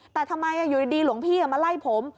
แต่ทำไมอยู่ดีหลวงพี่มาไล่ผม